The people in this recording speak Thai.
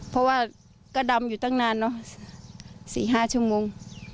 เพราะว่าก็ดำอยู่ตั้งนานเนอะ๔๕ชั่วโมง